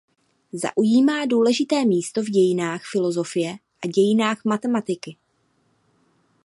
Zaujímá důležité místo v dějinách filozofie a dějinách matematiky.